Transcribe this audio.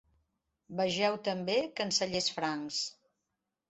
Vegeu també Cancellers francs.